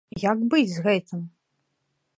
Як быць з гэтым?